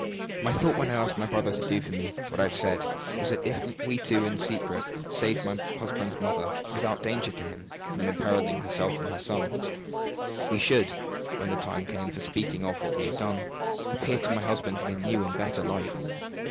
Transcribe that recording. My thought, when I asked my brother to do for me what I have said, was, that if we two in secret saved my husband's mother, without danger to him, from imperiling herself and her son, we should, when the time came for speaking of what we had done, appear to my husband in a new and better light.